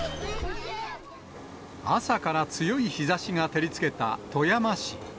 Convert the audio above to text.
朝から強い日ざしが照りつけた富山市。